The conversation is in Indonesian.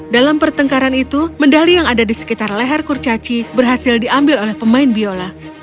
dalam pertengkaran itu medali yang ada di sekitar leher kurcaci berhasil diambil oleh pemain biola